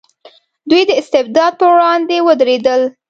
دوی د استبداد پر وړاندې ودرېدل.